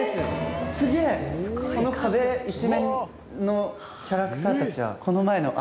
この壁一面のキャラクターたちはこの前の案？